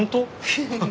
フフフ。